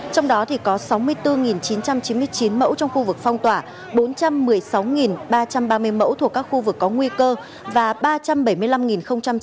trong đó thì có sáu mươi bốn chín trăm chín mươi chín mẫu trong khu vực phong tỏa bốn trăm một mươi sáu ba trăm ba mươi mẫu thuộc các khu vực có nguy cơ và ba trăm bảy mươi năm chín mươi ba mẫu thuộc đối tượng có nguy cơ